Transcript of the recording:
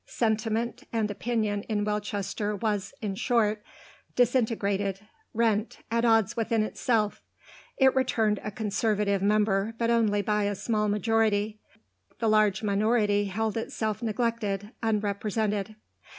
Sentiment and opinion in Welchester was, in short, disintegrated, rent, at odds within itself. It returned a Conservative member, but only by a small majority; the large minority held itself neglected, unrepresented.